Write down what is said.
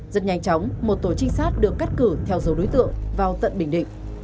rất nhanh chóng một tổ trinh sát được cắt cử theo dấu đối tượng vào tận bình định